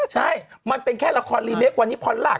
ใช่มันเป็นแค่ละครรีมิกส์